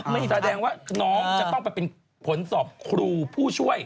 แสดงว่าน้องจะต้องไปเป็นผลสอบครูผู้ช่วย